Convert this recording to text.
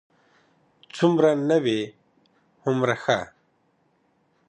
څومره نوی، هومره ښه.